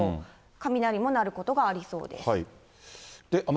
雷も鳴ることがありそうです。